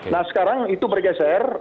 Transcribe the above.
nah sekarang itu bergeser